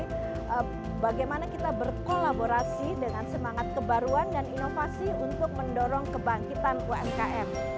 dan kita terjemahkan sebagai bagaimana kita berkolaborasi dengan semangat kebaruan dan inovasi untuk mendorong kebangkitan umkm